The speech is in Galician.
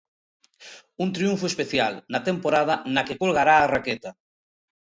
Un triunfo especial, na temporada na que colgará a raqueta.